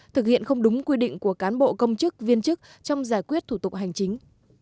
thực hiện không đúng quy định của cán bộ công chức viên chức trong giải quyết thủ tục hành chính